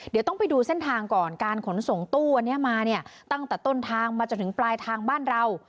เดี๋ยวต้องไปดูเส้นทางก่อนการขนส่งตู้อันนี้มาเนี่ยตั้งแต่ต้นทางมาจนถึงปลายทางบ้านเรา